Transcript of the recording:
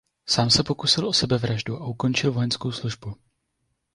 Sám se pokusil o sebevraždu a ukončil vojenskou službu.